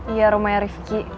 iya rumahnya rifqi